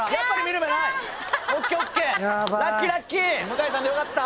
向井さんでよかった。